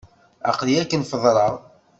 Aql-iyi akken feḍreɣ.